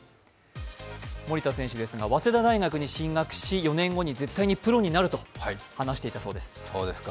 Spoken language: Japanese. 森田選手ですが、早稲田大学に進学し４年後に絶対にプロになると話していたそうです。